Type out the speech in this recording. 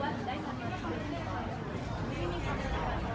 หรือว่าคุณได้สัญญาณของคุณไม่ได้รับสิทธิ์